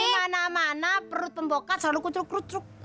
eh dimana mana perut pemboka selalu kucuk kucuk